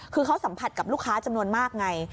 คือเขาสัมผัสกับลูกค้าจำนวนมากไง